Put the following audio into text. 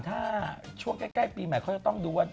ถ้าช่วงใกล้ปีใหม่เขาจะต้องดูว่า